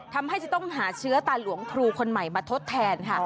ทำให้จะต้องหาเชื้อตาหลวงครูคนใหม่มาทดแทนค่ะ